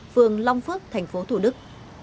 phường long phước tp thủ đức